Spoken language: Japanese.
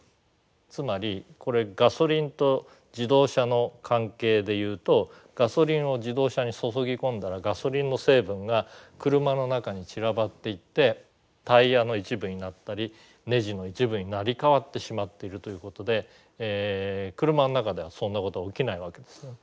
つまりこれガソリンと自動車の関係でいうとガソリンを自動車に注ぎ込んだらガソリンの成分が車の中に散らばっていってタイヤの一部になったりネジの一部に成り代わってしまってるということで車の中ではそんなこと起きないわけですね。